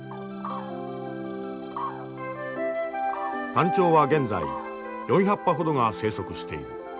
タンチョウは現在４００羽ほどが生息している。